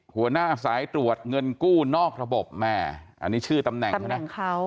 หัวหน้าสายตรวจเงินกู้นอกระบบแม่อันนี้ชื่อตำแหน่งข้าว